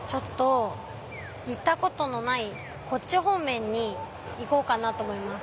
行ったことのないこっち方面に行こうかなと思います。